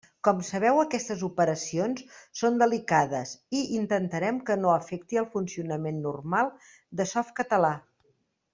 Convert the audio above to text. Com sabeu aquestes operacions són delicades i intentarem que no afecti el funcionament normal de Softcatalà.